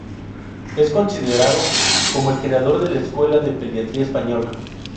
Es considerado como el creador de la Escuela de Pediatría Española.